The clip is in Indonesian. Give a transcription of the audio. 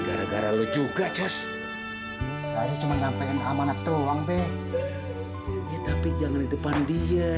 gara gara lu juga cus saya cuma nyampein amanat ruang be tapi jangan depan dia bebe